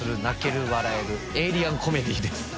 韻笑えるエイリアンコメディーです。